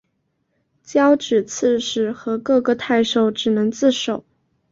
交址刺史和各个太守只能自守。